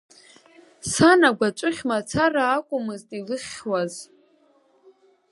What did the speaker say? Сан агәаҵәыхь мацара акәмызт илыхьуаз…